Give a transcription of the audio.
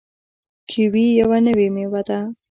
کیوي یوه نوې میوه ده.